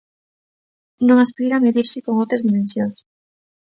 Non aspira a medirse con outras dimensións.